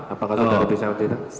apakah sudah berpisah atau tidak